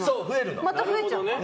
また増えちゃうの。